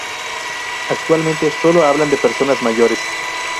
Actualmente, solo lo hablan las personas mayores.